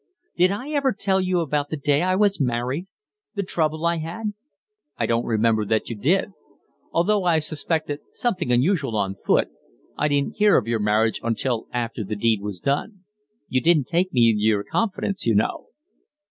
Did I ever tell you about the day I was married? the trouble I had?" "I don't remember that you did. Although I suspected something unusual on foot, I didn't hear of your marriage until after the deed was done. You didn't take me into your confidence, you know."